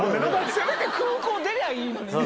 せめて空港出りゃいいのにね。